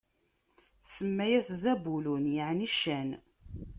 Tsemma-yas Zabulun, yeɛni ccan.